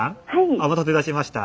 お待たせいたしました。